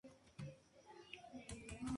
Gallina "et al.